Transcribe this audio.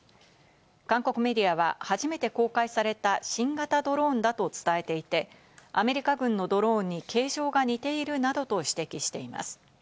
韓国メディアは初めて公開された新型ドローンだと伝えていて、アメリカ軍のドローンに形状が似ているなどと指摘しています。